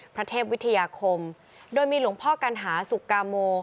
พระเทพวิทยาคมโดยมีหลวงพ่อกัณหาสุกาโม